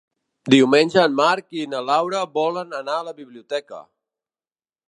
Diumenge en Marc i na Laura volen anar a la biblioteca.